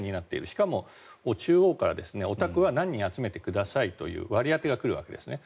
しかも、中央からおたくは何人集めてくださいという割り当てが来るわけですね。